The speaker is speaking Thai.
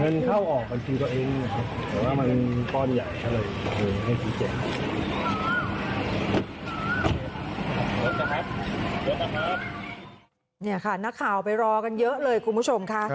นี่ค่ะนักข่าวไปรอกันเยอะเลยคุณผู้ชมค่ะ